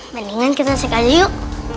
mendingan kita sekalian yuk